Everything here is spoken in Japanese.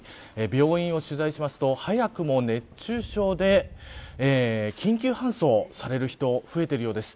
病院を取材すると早くも熱中症で緊急搬送される人増えているようです。